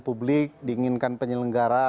publik diinginkan penyelenggara